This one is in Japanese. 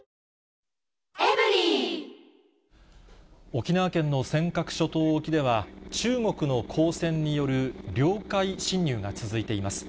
沖縄県の尖閣諸島沖では、中国の公船による領海侵入が続いています。